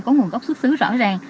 có nguồn gốc xuất xứ rõ ràng